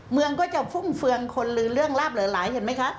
เมืองก็จะฟึ้งเฟืองคนลือเรื่องราบเหลือหลายเห็นไหมคะ